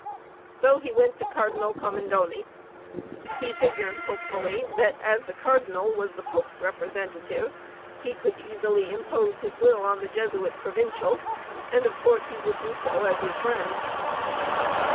So he went to Cardinal Commendoni. He figured hopefully that, as the Cardinal was the Pope's representative, he could easily impose his will on the Jesuit Provincial; and of course he would do so as his friend.